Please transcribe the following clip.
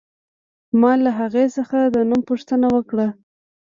ما له هغې څخه د نوم پوښتنه وکړه